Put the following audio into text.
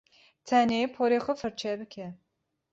Tenê porê xwe firçe bike.